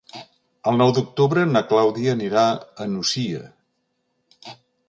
El nou d'octubre na Clàudia anirà a la Nucia.